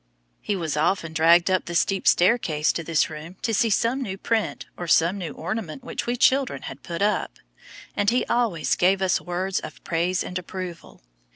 He was often dragged up the steep staircase to this room to see some new print or some new ornament which we children had put up, and he always gave us words of praise and approval.